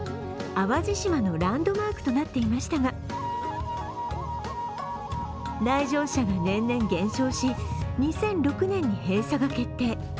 淡路島のランドマークとなっていましたが、来場者が年々減少し、２００６年に閉鎖が決定。